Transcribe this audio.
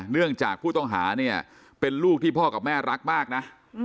เนื่องจากผู้ต้องหาเนี่ยเป็นลูกที่พ่อกับแม่รักมากนะ